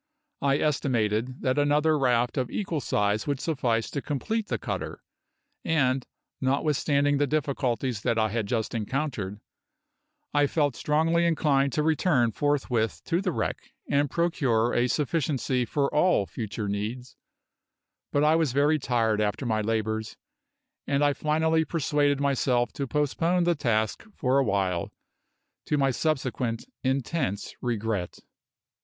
I estimated that another raft of equal size would suffice to complete the cutter, and, notwithstanding the difficulties that I had just encountered, I felt strongly inclined to return forthwith to the wreck and procure a sufficiency for all future needs; but I was very tired after my labours, and I finally persuaded myself to postpone the task for a while to my subsequent intense regret.